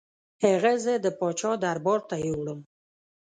هغه زه د پاچا دربار ته یووړم.